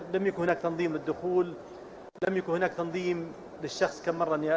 pemerintah arab saudi menerima pelayanan digitalisasi jemaah